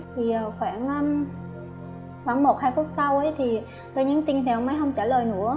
thì khoảng một hai phút sau thì tôi nhấn tin theo ông ấy không trả lời nữa